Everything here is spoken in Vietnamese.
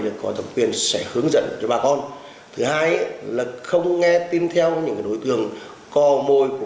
nước có tổng quyền sẽ hướng dẫn cho bà con thứ hai là không nghe tin theo những đối tượng co môi của